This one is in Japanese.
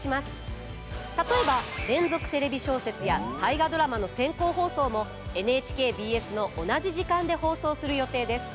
例えば「連続テレビ小説」や「大河ドラマ」の先行放送もＮＨＫＢＳの同じ時間で放送する予定です。